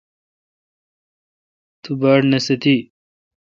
تو۔ باڑنیستی